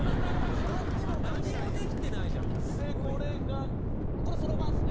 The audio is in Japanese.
でこれがこれそろばんですね。